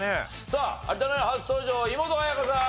さあ有田ナイン初登場は井本彩花さん。